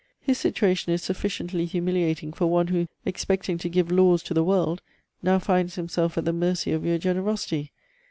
His situation is sufficiently humiliating for one who, expecting to give laws to the world, now finds himself at the mercy of your generosity.